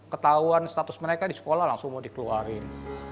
ketahuan status mereka di sekolah langsung mau dikeluarin